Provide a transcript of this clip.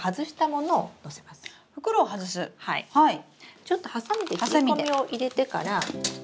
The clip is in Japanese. ちょっとハサミで切り込みを入れてから。